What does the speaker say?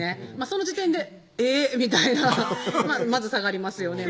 その時点でえぇっみたいなまず下がりますよね